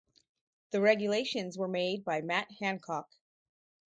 The regulations were made by Matt Hancock.